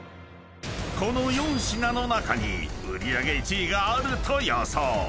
［この４品の中に売り上げ１位があると予想］